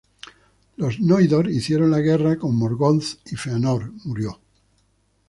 Los Noldor hicieron la guerra con Morgoth y Fëanor murió.